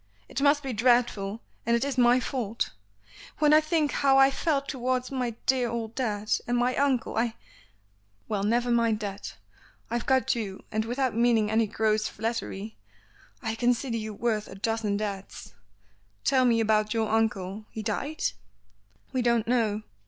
It must be dreadful, and it is my fault. When I think how I felt towards my dear old dad, and my uncle I " "Well, never mind that. I've got you, and without meaning any gross flattery, I consider you worth a dozen dads. Tell me about your uncle. He died?" "We don't know.